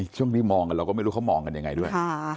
ช่วงที่มองกันเราก็ไม่รู้เขามองกันยังไงด้วย